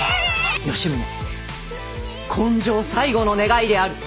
吉宗今生最後の願いである！